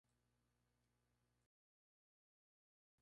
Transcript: con el inquilino y todo, o sea, con el feto quiero decir.